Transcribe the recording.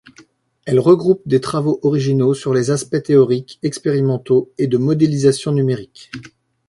Elle regroupe des travaux originaux sur les aspects théoriques, expérimentaux et de modélisation numérique.